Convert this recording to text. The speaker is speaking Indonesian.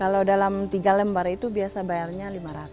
kalau dalam tiga lembar itu biasa bayarnya lima ratus